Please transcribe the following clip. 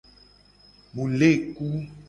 Mu le ku.